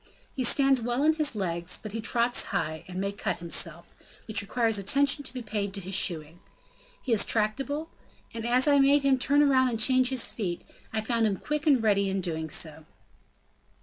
He stands well on his legs, but he trots high, and may cut himself, which requires attention to be paid to his shoeing. He is tractable; and as I made him turn round and change his feet, I found him quick and ready in doing so."